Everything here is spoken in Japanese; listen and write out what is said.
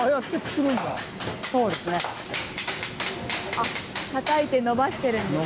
あったたいてのばしてるんですね。